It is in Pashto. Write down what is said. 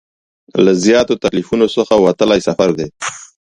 له زیاتو تکلیفونو څخه وتلی سفر دی.